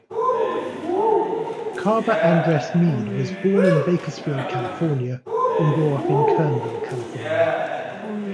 Carver Andress Mead was born in Bakersfield, California and grew up in Kernville, California.